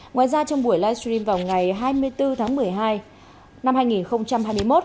ngoài ra trong buổi livestream vào ngày hai mươi bốn tháng một mươi hai năm hai nghìn hai mươi một